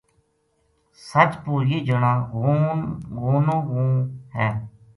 سچ پو یہ جنا غونو غون ہے